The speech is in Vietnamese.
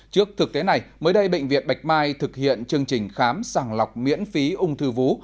trước thực tế này mới đây bệnh viện bạch mai thực hiện chương trình khám sàng lọc miễn phí ung thư vú